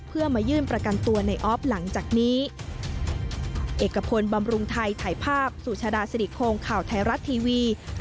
เพื่อมายื่นประกันตัวในออฟหลังจากนี้